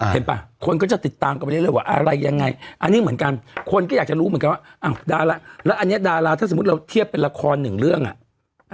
ป่ะคนก็จะติดตามกันไปเรื่อยว่าอะไรยังไงอันนี้เหมือนกันคนก็อยากจะรู้เหมือนกันว่าอ้าวดาราแล้วอันนี้ดาราถ้าสมมุติเราเทียบเป็นละครหนึ่งเรื่องอ่ะ